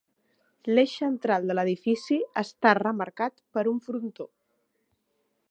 L'eix central de l'edifici està remarcat per un frontó.